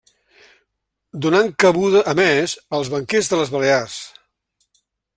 Donant cabuda a més als banquers de les Balears.